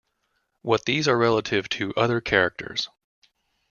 What these are relative to other characters.